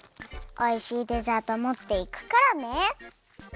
おいしいデザートもっていくからね。